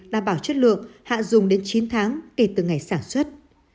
đảm bảo chất lượng hạ dùng đến chín tháng kể từ ngày sản xuất